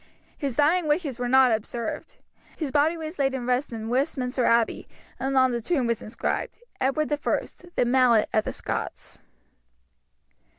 His dying wishes were not observed. His body was laid in rest in Westminster Abbey, and on the tomb was inscribed, "Edward I the mallet of the Scots."